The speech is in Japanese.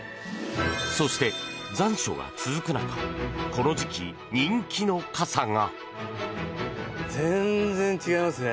そして残暑が続く中この時期、人気の傘が。